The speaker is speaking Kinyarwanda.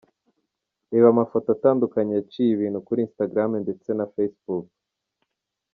Reba amafoto atandukanye yaciye ibintu kuri instagram ndese na Facebook.